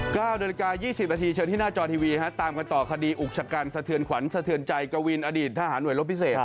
๙น๒๐นเชิงที่หน้าจอทีวีตามกันต่อคดีอุกษกรรมสะเทือนขวัญสะเทือนใจกวินอดีตทหารหน่วยลบพิเศษ